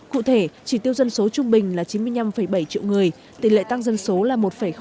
cụ thể chỉ tiêu dân số trung bình là chín mươi năm bảy triệu người tỷ lệ tăng dân số là một bốn